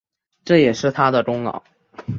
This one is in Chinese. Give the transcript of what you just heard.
这也是他的功劳